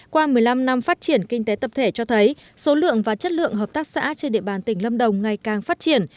qua một mươi năm năm phát triển kinh tế tập thể cho thấy số lượng và chất lượng hợp tác xã trên địa bàn tỉnh lâm đồng ngày càng phát triển